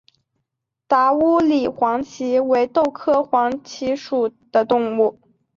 达乌里黄耆为豆科黄芪属的植物。